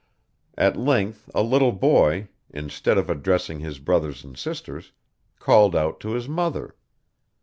At length a little boy, instead of addressing his brothers and sisters, called out to his mother.